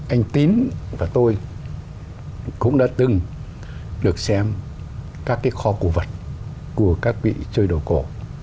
anh tín và tôi cũng đã từng được xem các cái kho cổ vật của các vị chơi đồ cổ